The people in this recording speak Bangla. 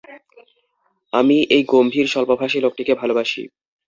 আমি এই গম্ভীর, স্বল্পভাষী লোকটিকে ভালবাসি।